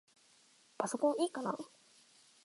パソコンいいかな？